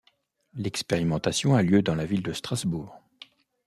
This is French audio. L'expérimentation a lieu dans la ville de Strasbourg.